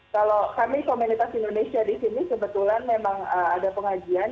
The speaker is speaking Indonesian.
kalau kami komunitas indonesia di sini kebetulan memang ada pengajian